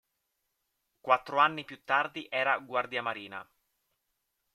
Quattro anni più tardi era guardiamarina.